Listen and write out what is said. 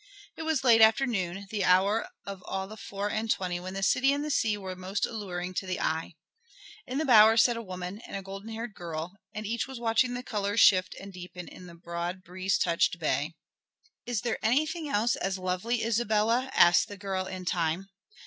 It was late afternoon, the hour of all the four and twenty when the city and the sea were most alluring to the eye. In the bower sat a woman and a golden haired girl, and each was watching the colors shift and deepen in the broad breeze touched bay. "Is there anything else as lovely, Isabella?" asked the girl in time.